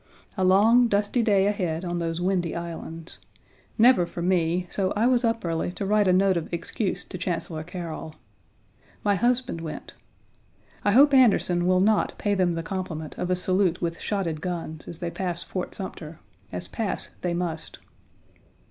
A long, dusty day ahead on those windy islands; never for me, so I was up early to write a note of excuse to Chancellor Carroll. My husband went. I hope Anderson will not pay them the compliment of a salute with shotted guns, as they pass Fort Sumter, as pass they must.